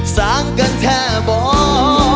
สร้างกันแท้บอก